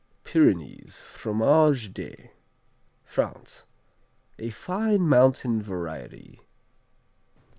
Pyrenees, Fromage des France A fine mountain variety.